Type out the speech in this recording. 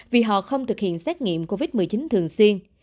vì họ không thực hiện xét nghiệm covid một mươi chín thường xuyên